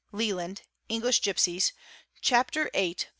(Leland "English Gipsies" Chapter VIII, p.